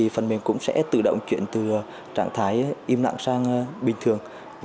phần mềm cũng sẽ tự động chuyển từ trạng thái im nặng sang bình thường